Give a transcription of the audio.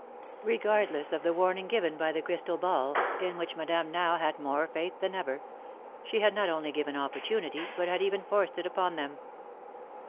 Regardless of the warning given by the crystal ball, in which Madame now had more faith than ever, she had not only given opportunity, but had even forced it upon them.